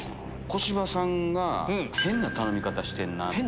小芝さんが変な頼み方してんなぁって。